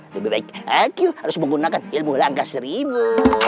lebih baik aku harus menggunakan ilmu langkah seribu